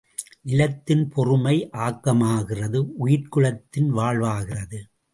நிலத்தின் பொறுமை, ஆக்கமாகிறது உயிர்க் குலத்தின் வாழ்வாகிறது.